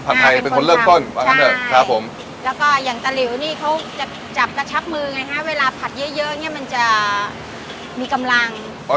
ผัดไทยเป็นคนเลือกต้นใช่แล้วก็อย่างตะหลิวนี่เขาจะจับกระชับมือไงฮะเวลาผัดเยอะเยอะเนี่ยมันจะมีกำลัง